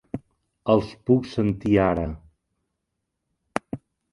Els puc sentir ara.